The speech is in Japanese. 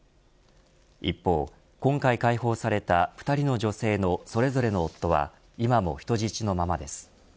一方、今回解放された２人の女性のそれぞれの夫は今も人質のままです。